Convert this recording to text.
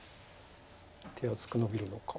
手厚くノビるのか。